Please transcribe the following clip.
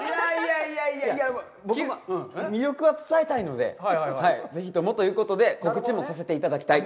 いやいやいや、僕も魅力を伝えたいので、ぜひともということで、告知もさせていただきたい！